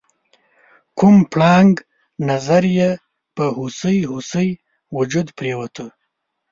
کوم پړانګ نظر یې په هوسۍ هوسۍ وجود پریوته؟